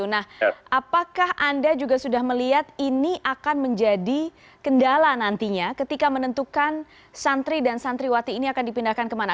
nah apakah anda juga sudah melihat ini akan menjadi kendala nantinya ketika menentukan santri dan santriwati ini akan dipindahkan kemana